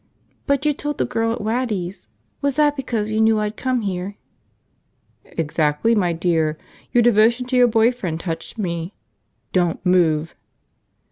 "But you told the girl at Waddy's – was that because you knew I'd come here?" "Exactly, my dear. Your devotion to your boy friend touched me – don't move!"